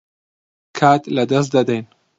کات لەدەست دەدەین.